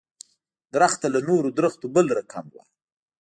درخت له نورو درختو بل رقم و.